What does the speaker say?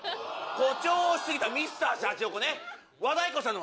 「誇張しすぎたＭｒ．シャチホコ」